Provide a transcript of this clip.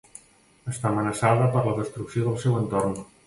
Està amenaçada per la destrucció del seu entorn.